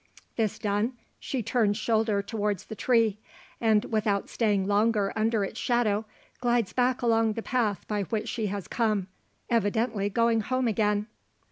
This done, she turns shoulder towards the tree; and, without staying longer under its shadow, glides back along the path by which she has come evidently going home again!